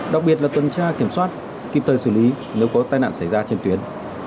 đặc biệt là tuần tra kiểm soát kịp thời xử lý nếu có tai nạn xảy ra trên tuyến